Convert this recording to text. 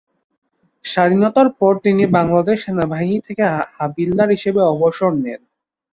স্বাধীনতার পর তিনি বাংলাদেশ সেনাবাহিনী থেকে হাবিলদার হিসেবে অবসর নেন।